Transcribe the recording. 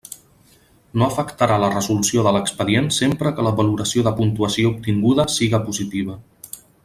No afectarà la resolució de l'expedient sempre que la valoració de puntuació obtinguda siga positiva.